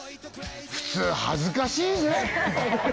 普通恥ずかしいぜ？